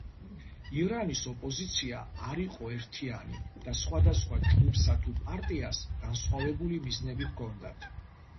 ირანის ოპოზიცია არ იყო ერთიანი და სხვადასხვა ჯგუფსა თუ პარტიას განსხვავებული მიზნები ჰქონდათ